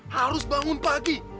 harus bangun pagi